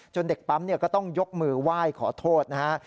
เด็กปั๊มก็ต้องยกมือไหว้ขอโทษนะฮะ